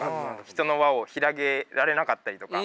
人の輪を広げられなかったりとか。